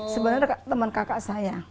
sebenarnya teman kakak saya